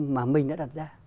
mà mình đã đặt ra